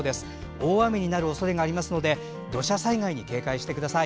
大雨になるおそれがありますので土砂災害に警戒してください。